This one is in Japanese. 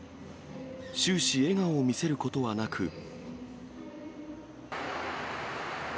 終始、笑顔を見せることはなく。